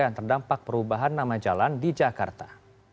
yang terdampak perubahan nama jalan di jakarta